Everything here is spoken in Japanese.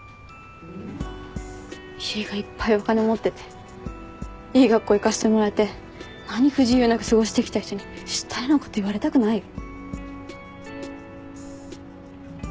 家がいっぱいお金持ってていい学校行かせてもらえて何不自由なく過ごしてきた人に知ったようなこと言われたくないよ。